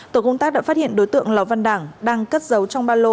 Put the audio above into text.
tổ công tác đã phát hiện đối tượng lò văn đảng đang cất giấu trong ba lô